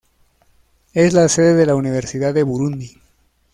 Es la sede de la Universidad de Burundi.